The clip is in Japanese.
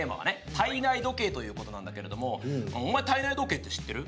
体内時計ということなんだけれどお前、体内時計って知ってる？